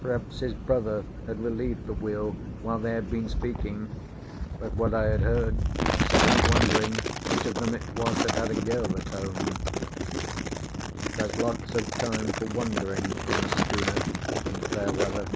Perhaps his brother had relieved the wheel while they had been speaking, but what I had heard set me wondering which of them it was that had a girl at home. There's lots of time for wondering on a schooner in fair weather.